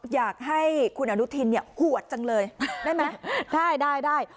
อยากให้คุณอรุทินเนี่ยหววดจังเลยได้ไหมได้ได้ได้